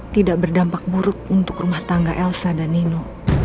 tidak berdampak buruk untuk rumah tangga elsa dan nino